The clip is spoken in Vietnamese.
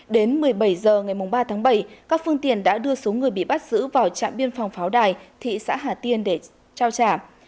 đến một mươi bảy h ngày ba tháng bảy các phương tiện đã đưa số người bị bắt giữ vào trạm biên phòng pháo đài thị xã hà tiên để trao trả